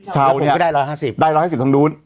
ชาวเนี่ยได้๑๕๐บาททางนู้น